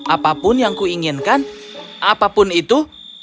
apapun yang kuinginkan apapun itu